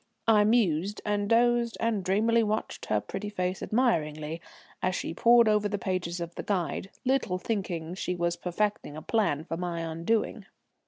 I mused and dozed and dreamily watched her pretty face admiringly, as she pored over the pages of the Guide, little thinking she was perfecting a plan for my undoing.